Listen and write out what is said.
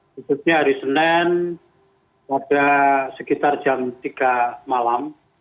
khususnya hari senin pada sekitar jam tiga malam